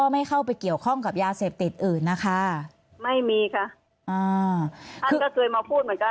ไม่เข้าไปเกี่ยวข้องกับยาเสพติดอื่นนะคะไม่มีค่ะอ่าท่านก็เคยมาพูดเหมือนกัน